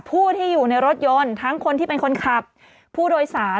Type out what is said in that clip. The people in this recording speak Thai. ผู้ที่อยู่ในรถยนต์ทั้งคนที่เป็นคนขับผู้โดยสาร